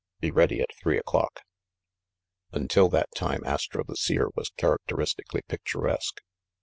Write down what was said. Be ready at three o'clock." Until that time Astro the Seer was characteristically picturesque.